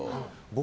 僕